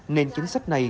nên chính sách này